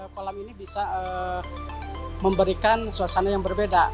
kolam ini bisa memberikan suasana yang berbeda